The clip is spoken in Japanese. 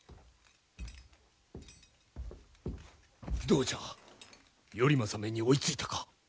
どうじゃ頼政めに追いついたか？